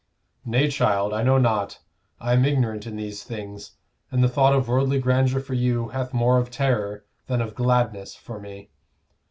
"Nay, child, I know not. I am ignorant in these things, and the thought of worldly grandeur for you hath more of terror than of gladness for me.